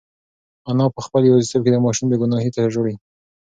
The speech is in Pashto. انا په خپل یوازیتوب کې د ماشوم بېګناهۍ ته ژاړي.